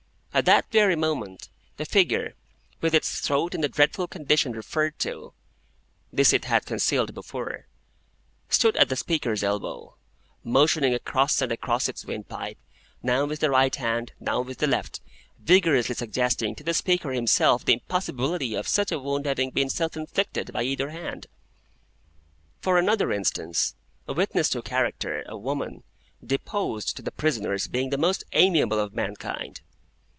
At that very moment, the figure, with its throat in the dreadful condition referred to (this it had concealed before), stood at the speaker's elbow, motioning across and across its windpipe, now with the right hand, now with the left, vigorously suggesting to the speaker himself the impossibility of such a wound having been self inflicted by either hand. For another instance: a witness to character, a woman, deposed to the prisoner's being the most amiable of mankind.